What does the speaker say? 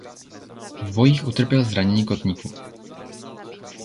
V bojích utrpěl zranění kotníku.